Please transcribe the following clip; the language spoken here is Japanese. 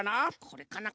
これかな？